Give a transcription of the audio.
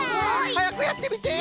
はやくやってみて！